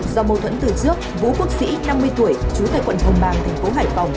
do mâu thuẫn từ trước vũ quốc sĩ năm mươi tuổi trú tại quận hồng bang thành phố hải phòng